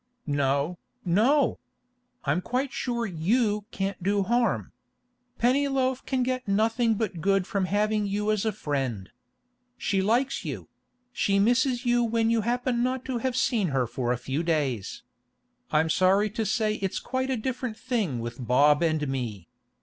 'No, no! I'm quite sure you can't do harm. Pennyloaf can get nothing but good from having you as a friend. She likes you; she misses you when you happen not to have seen her for a few days. I'm sorry to say it's quite a different thing with Bob and me.